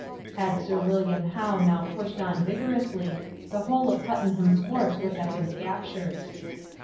Had Sir William Howe now pushed on vigorously, the whole of Puttenham's force must have been captured.